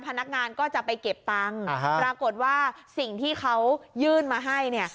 พนักงานก็จะไปเก็บตังค์ปรากฏว่าสิ่งที่เขายื่นมาให้เนี่ย